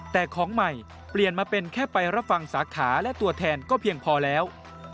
แต่ของใหม่เปลี่ยนมาเป็นแค่ไปรับฟังสาขาและตัวแทนก็เพียงพอแล้ว